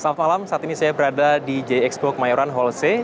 selamat malam saat ini saya berada di jxbu kemayoran holsey